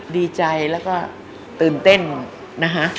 ดีใจแล้วก็ตื่นเต้นนะคะ